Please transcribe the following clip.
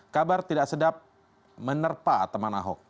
kabar tidak sedap menerpa teman ahok